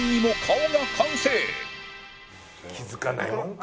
気づかないもんか。